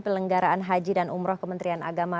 pelenggaraan haji dan umroh kementerian agama